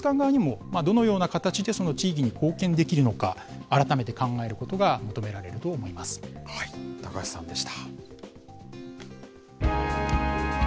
また、博物館側にもどのような形でその地域に貢献できるのか、改めて考えることが求められると思高橋さんでした。